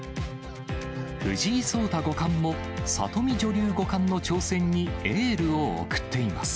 藤井聡太五冠も、里見女流五冠の挑戦にエールを送っています。